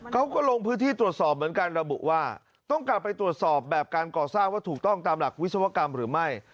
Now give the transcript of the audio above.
เขาก็ลงพื้นที่ตรวจสอบเหมือนกันระบุว่าต้องกลับไปตรวจสอบแบบการก่อสร้างว่าถูกต้องตามหลักวิศวกรรมหรือไม่